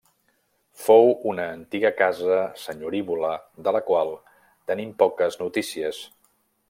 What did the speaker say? Fou una antiga casa senyorívola de la qual tenim poques notícies.